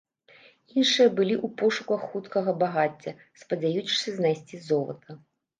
Іншыя былі ў пошуках хуткага багацця, спадзяючыся знайсці золата.